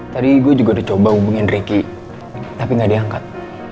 tadi gue juga udah coba hubungin ricky tapi gak diangkat